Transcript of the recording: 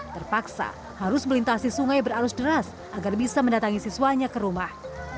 terpaksa harus melintasi sungai berarus deras agar bisa mendatangi siswanya ke rumah